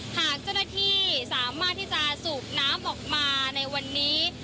หากเจ้าหน้าที่สามารถที่จะสูบน้ำออกมาในวันนี้